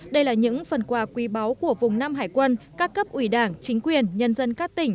đây là những phần quà quý báu của vùng năm hải quân các cấp ủy đảng chính quyền nhân dân các tỉnh